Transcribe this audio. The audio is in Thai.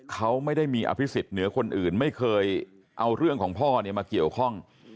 เขาไม่ได้มีอภิษฎเหนือคนอื่นไม่เคยเอาเรื่องของพ่อเนี่ยมาเกี่ยวข้อง